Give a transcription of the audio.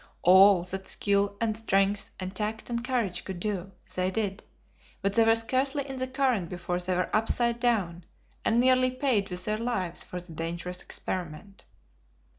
All that skill, and strength, and tact, and courage could do they did; but they were scarcely in the current before they were upside down, and nearly paid with their lives for the dangerous experiment.